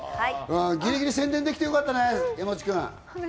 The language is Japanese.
ギリギリ宣伝できてよかったね、山口君。